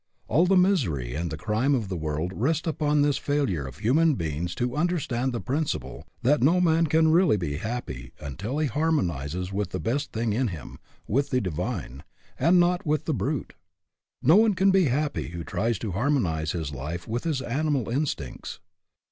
All the misery and the crime of the world rest upon the failure of human beings to un derstand the principle that no man can really be happy until he harmonizes with the best thing in him, with the divine, and not with the brute. No one can be happy who tries to har monize his life with his animal instincts.